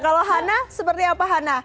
kalau hana seperti apa hana